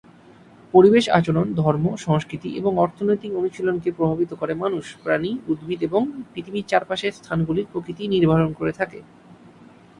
পরিবেশ আচরণ, ধর্ম, সংস্কৃতি এবং অর্থনৈতিক অনুশীলনকে প্রভাবিত করে মানুষ, প্রাণী, উদ্ভিদ এবং পৃথিবীর চারপাশের স্থানগুলির প্রকৃতি নির্ধারণ করে থাকে।